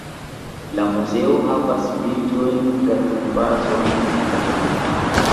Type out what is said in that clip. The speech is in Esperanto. La muzeo havas bildojn-datumbazon en reto.